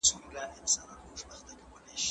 پرمختیا اوږدمهاله پروسه ګڼل کیږي.